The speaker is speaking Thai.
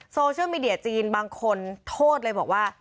โซเชียลมีเดียจีนบางคนโทษเลยบอกว่า